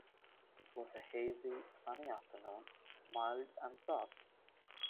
It was a hazy, sunny afternoon, mild and soft.